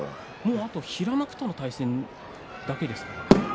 あと平幕との対戦だけですからね。